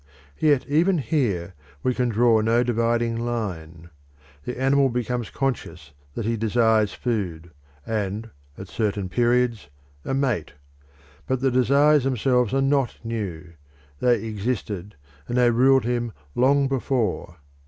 Yet even here we can draw no dividing line. The animal becomes conscious that he desires food, and at certain periods, a mate; but the desires themselves are not new; they existed and they ruled him long before.